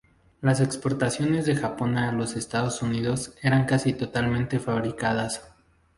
Las exportaciones de Japón a los Estados Unidos eran casi totalmente fabricadas.